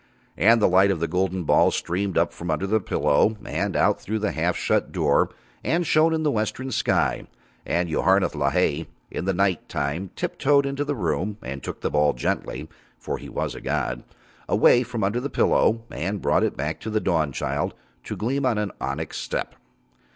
And the light of the golden ball streamed up from under the pillow and out through the half shut door and shone in the western sky, and Yoharneth Lahai in the night time tip toed into the room, and took the ball gently (for he was a god) away from under the pillow and brought it back to the Dawnchild to gleam on an onyx step.